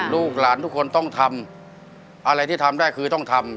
ลูกหลานทุกคนต้องทำอะไรที่ทำได้คือต้องทำ